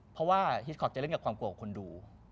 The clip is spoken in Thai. เพราะว่าฮิสคอตจะเล่นกับความกลัวของคนดู